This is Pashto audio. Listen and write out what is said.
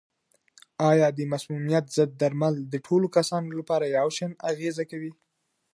آیا د مسمومیت ضد درمل د ټولو کسانو لپاره یو شان اغېزه کوي؟